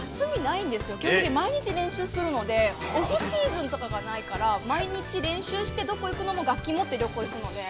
基本毎日練習するので、オフシーズンとかがないから、毎日練習して、どこに行くのでも、楽器持って、旅行にいくので。